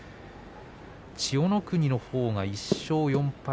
千代の国のほうが１勝４敗。